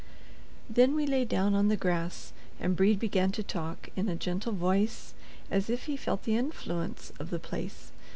Then we lay down on the grass, and Brede began to talk, in a gentle voice, as if he felt the influence of the place.